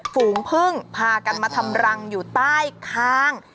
ฝูงพึ่งพากันมาทำรังอยู่ใต้ข้าง